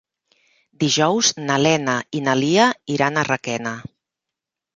Dijous na Lena i na Lia iran a Requena.